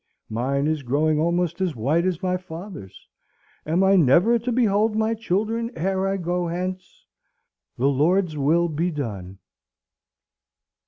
Mine is growing almost as white as my father's. Am I never to behold my children ere I go hence? The Lord's will be done."